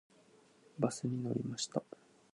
バスに乗りました。